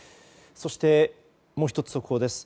そして、もう１つ速報です。